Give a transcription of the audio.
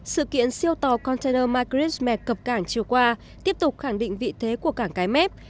sự kiện siêu tàu container margaret mets cập cảng chiều qua tiếp tục khẳng định vị thế của cảng cái mép